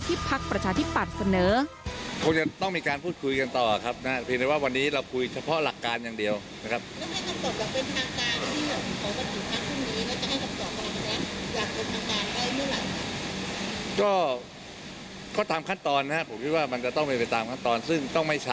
ที่พักประชาธิปัตย์เสนอ